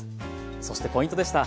そしてポイントでした。